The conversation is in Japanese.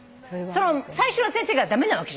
最初の先生が駄目なわけじゃないんだよ。